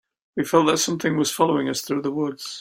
We felt that something was following us through the woods.